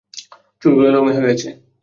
চুল গুলো এলোমেলো হয়ে আছে।